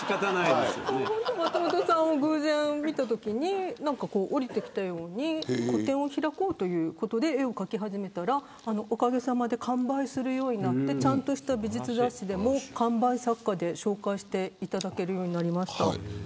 松本さんを偶然見たときに下りてきたように個展を開こうということで絵を描き始めたらおかげさまで完売するようになってちゃんとした美術雑誌でも完売作家で紹介していただけるようになりました。